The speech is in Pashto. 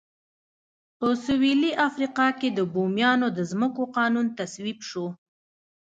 په سوېلي افریقا کې د بومیانو د ځمکو قانون تصویب شو.